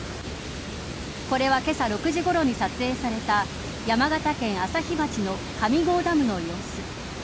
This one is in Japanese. これはけさ６時ごろに撮影された山形県朝日町の上郷ダムの様子。